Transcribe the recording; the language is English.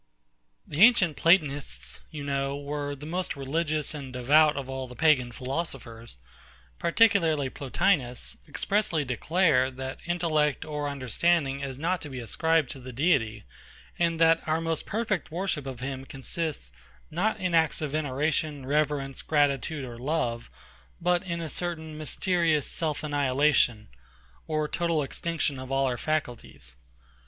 The ancient PLATONISTS, you know, were the most religious and devout of all the Pagan philosophers; yet many of them, particularly PLOTINUS, expressly declare, that intellect or understanding is not to be ascribed to the Deity; and that our most perfect worship of him consists, not in acts of veneration, reverence, gratitude, or love; but in a certain mysterious self annihilation, or total extinction of all our faculties.